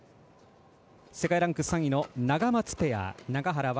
世界ランク３位のナガマツペア永原和